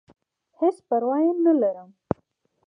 هېڅ پرواه ئې نۀ لرم -